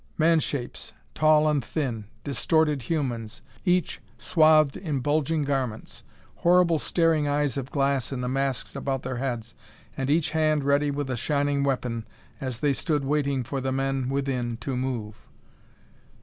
Man shapes, tall and thin, distorted humans, each swathed in bulging garments; horrible staring eyes of glass in the masks about their heads, and each hand ready with a shining weapon as they stood waiting for the men within to move.